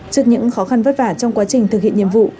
trước những khó khăn vất vả trong quá trình thực hiện nhiệm vụ